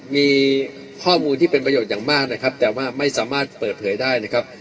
มีข้อมูลที่เป็นประโยชน์อย่างมากนะครับแต่ว่าไม่สามารถเปิดเผยได้นะครับ